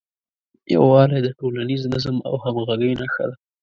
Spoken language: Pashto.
یووالی د ټولنیز نظم او همغږۍ نښه ده.